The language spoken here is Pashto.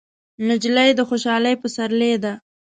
نجلۍ د خوشحالۍ پسرلی ده.